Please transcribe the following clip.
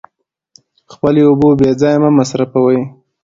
خپلې اوبه بې ځایه مه مصرفوئ.